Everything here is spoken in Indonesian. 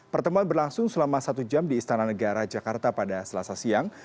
pertemuan berlangsung selama satu jam di istana negara jakarta pada selasa siang